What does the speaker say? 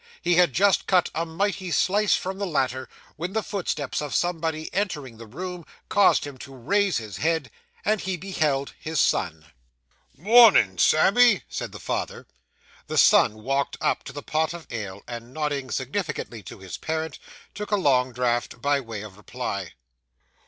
He had just cut a mighty slice from the latter, when the footsteps of somebody entering the room, caused him to raise his head; and he beheld his son. 'Mornin', Sammy!' said the father. The son walked up to the pot of ale, and nodding significantly to his parent, took a long draught by way of reply.